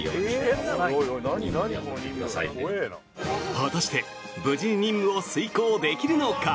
果たして無事に任務を遂行できるのか。